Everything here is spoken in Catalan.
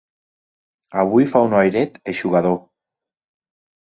Avui fa un airet eixugador.